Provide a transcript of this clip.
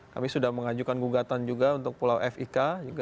kami sudah mengajukan gugatan juga untuk pulau fik